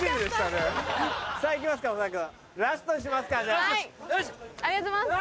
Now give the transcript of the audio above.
ありがとうございます。